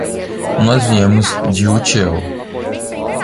Nós viemos de Utiel.